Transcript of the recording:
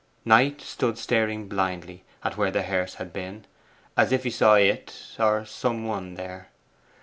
Knight stood staring blindly at where the hearse had been; as if he saw it, or some one, there.